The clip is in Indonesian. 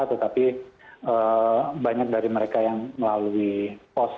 tetapi banyak dari mereka yang melalui pos